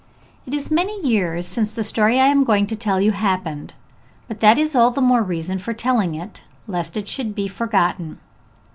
It is many years since the story I am going to tell you happened, but that is all the more reason for telling it, lest it should be forgotten.